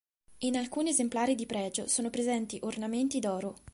In alcuni esemplari di pregio sono presenti ornamenti d'oro.